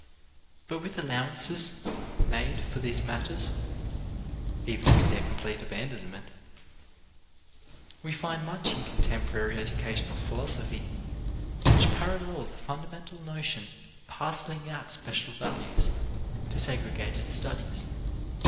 But with allowances made for these matters (even with their complete abandonment) we find much in contemporary educational philosophy which parallels the fundamental notion of parceling out special values to segregated studies.